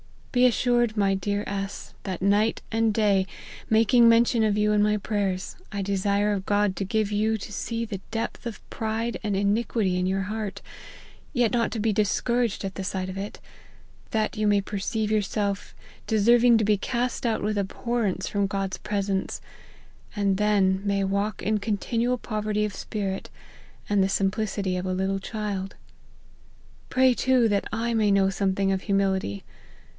Be assured, my dear S that night and day, making mention of you in my prayers, I desire of God to give you to see the depth of pride and iniquity in your heart, yet not to be discouraged at the sight of it : that you may perceive yourself deserving to be cast out with abhorrence from God's presence ; and then may walk in continual poverty of spirit, and the simplicity of a little child. Pray, too, that I may know something of humility.